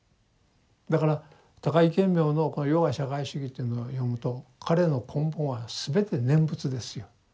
だから高木顕明のこの「余が社会主義」っていうのを読むと彼の根本は全て念仏ですよ。